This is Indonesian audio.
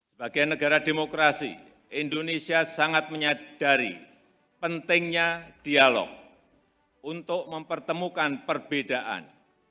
sebagai negara demokrasi indonesia sangat menyadari pentingnya dialog untuk mempertemukan perbedaan